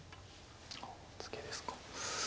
ああツケですか。